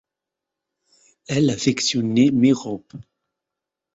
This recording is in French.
Elle affectionnait Mérope.